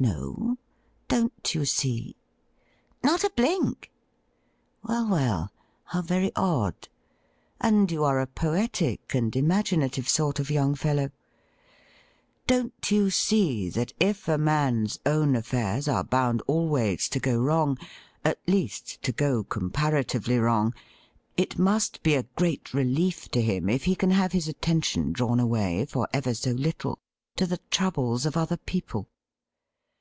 ' No ? Don't you see .?' 'Not a blink.' ' Well, well ! How very odd ! And you are a poetic and imaginative sort of young fellow ! Don't you see that if a man's own affairs are bound always to go wrong — at least, to go comparatively wrong — it must be a great relief to him if he can have his attention drawn away for ever so little to the troubles of other people